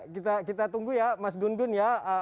kita tunggu ya mas gun gun ya